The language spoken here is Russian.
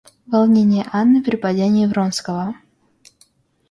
Волнение Анны при падении Вронского.